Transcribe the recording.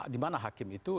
di mana hakim itu